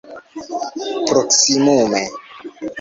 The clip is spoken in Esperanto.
proksimume